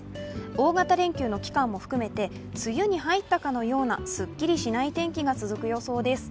大型連休の期間も含めて梅雨に入ったかのような、すっきりしない天気が続く予想です。